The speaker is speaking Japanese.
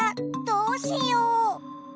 どうしよう！